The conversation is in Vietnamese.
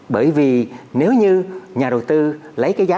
bởi vì nếu như nhà đầu tư lấy cái giá